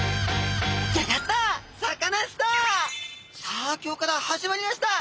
さあ今日から始まりました！